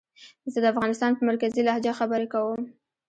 زه د افغانستان په مرکزي لهجه خبرې کووم